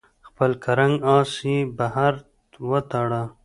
خپل کرنګ آس یې بهر وتاړه.